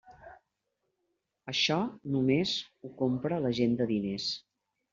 Això només ho compra la gent de diners.